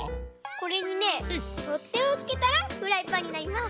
これにねとってをつけたらフライパンになります！